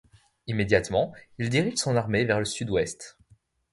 Immédiatement, il dirige son armée vers le sud-ouest.